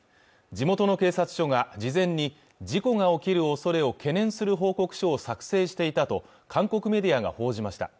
地元の警察署が事前に事故が起きる恐れを懸念する報告書を作成していたと韓国メディアが報じました